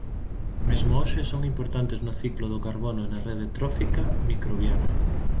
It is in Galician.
Mesmo hoxe son importantes no ciclo do carbono e na rede trófica microbiana.